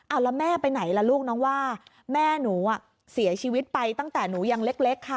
เอาแล้วแม่ไปไหนล่ะลูกน้องว่าแม่หนูเสียชีวิตไปตั้งแต่หนูยังเล็กค่ะ